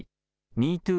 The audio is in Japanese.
ＭｅＴｏｏ